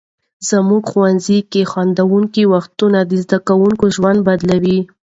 زموږ ښوونځي کې خندونکي وختونه د زده کوونکو ژوند بدلوي.